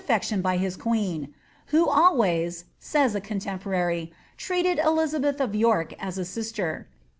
with great aflection by his queeoi ^ who always,'' says a contemporaiy,' ^ treated iUizabeth of York as a sister."